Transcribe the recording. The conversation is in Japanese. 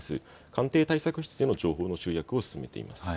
官邸対策室で情報の集約を進めています。